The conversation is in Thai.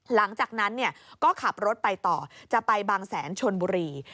หลังจากนั้นก็ขับรถไปต่อจะไปบางแสนชนบุรี